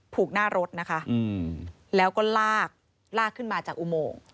หน้ารถนะคะแล้วก็ลากลากขึ้นมาจากอุโมง